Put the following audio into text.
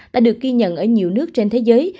đã được ghi nhận ở nhiều nước trên thế giới